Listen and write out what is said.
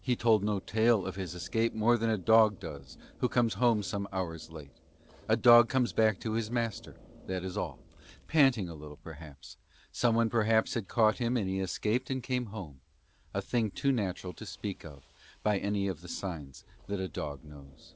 He told no tale of his escape more than a dog does who comes home some hours late; a dog comes back to his master, that is all, panting a little perhaps; someone perhaps had caught him and he escaped and came home, a thing too natural to attempt to speak of by any of the signs that a dog knows.